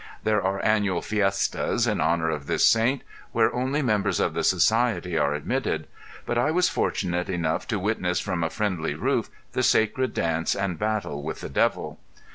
There are annual fiestas in honor of this Saint, where only members of the Society are admitted, but I was fortunate enough to witness from a friendly roof the sacred dance and battle with the devil.